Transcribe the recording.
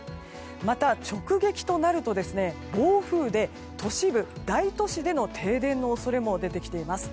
また直撃となると暴風で都市部、大都市での停電の恐れも出てきています。